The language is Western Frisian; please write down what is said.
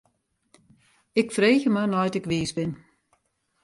Ik freegje mar nei't ik wiis bin.